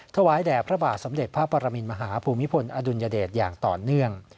ถวายแด่พระบาทสมเด็จพระปรมินมหาภูมิพลอดุลยเดชอย่างต่อเนื่อง